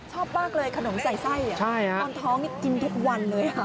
ชอบมากเลยขนมใส่ไส้อ่ะอ่อนท้องกินทุกวันเลยครับใช่ค่ะ